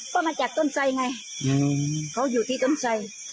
ก็มาจากต้นไส้ไงเขาอยู่ที่ต้นไส